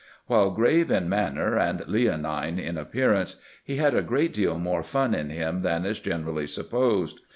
While grave in manner and leonine in appearance, he had a great deal more fun in him than is generally supposed.